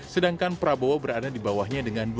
sedangkan prabowo berada di bawahnya dengan dua puluh dua persen